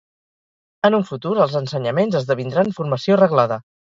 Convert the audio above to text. En un futur els ensenyaments esdevindran formació reglada.